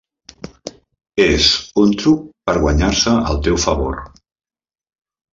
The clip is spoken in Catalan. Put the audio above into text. És un truc per guanyar-se el teu favor.